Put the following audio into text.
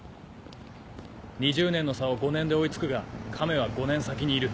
２０年の差を５年で追いつくがカメは５年先にいる。